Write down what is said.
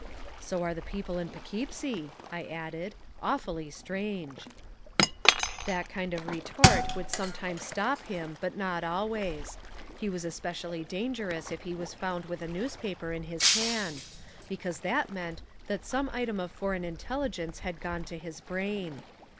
"So are the people in P'Keepsie," I added, "awfully strange." That kind of retort would sometimes stop him, but not always. He was especially dangerous if he was found with a newspaper in his hand; because that meant that some item of foreign intelligence had gone to his brain.